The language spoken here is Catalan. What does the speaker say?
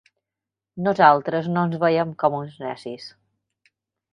Nosaltres no ens veiem com uns necis.